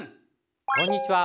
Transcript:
こんにちは。